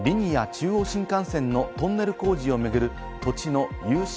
中央新幹線のトンネル工事を巡る土地の融資